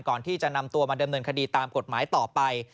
ก่อนที่จะนำตัวมาดำเนินคดีตามกฎหมายต่อไป